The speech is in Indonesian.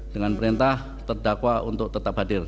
dengan perintah terdakwa untuk tetap hadir